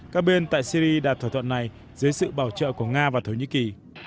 các bên tại syri đạt thỏa thuận này dưới sự bảo trợ của nga và thổ nhĩ kỳ